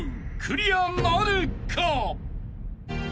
［クリアなるか？］